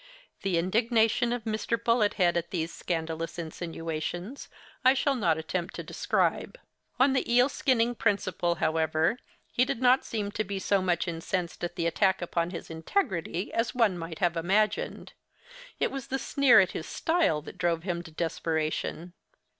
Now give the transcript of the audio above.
The indignation of Mr. Bullet head at these scandalous insinuations, I shall not attempt to describe. On the eel skinning principle, however, he did not seem to be so much incensed at the attack upon his integrity as one might have imagined. It was the sneer at his style that drove him to desperation.